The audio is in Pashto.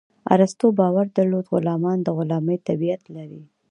ارسطو باور درلود غلامان د غلامي طبیعت لري.